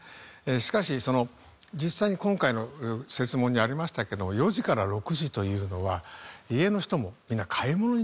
しかし実際に今回の設問にありましたけど４時から６時というのは家の人もみんな買い物に出かけたりする。